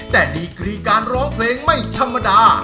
แต่ดีกรีการร้องเพลงไม่ธรรมดา